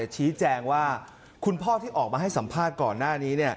ชี้แจงว่าคุณพ่อที่ออกมาให้สัมภาษณ์ก่อนหน้านี้